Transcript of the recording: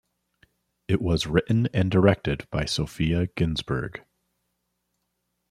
It was written and directed by Sophia Ginzburg.